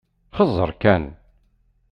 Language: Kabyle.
Xezzeṛ kan.